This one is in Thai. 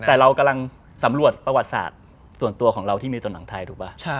แต่เรากำลังสำรวจประวัติศาสตร์ส่วนตัวของเราที่มีตัวหนังไทยถูกป่ะ